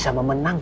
saya akan menang